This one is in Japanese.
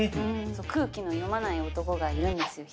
空気を読まない男がいるんですよ。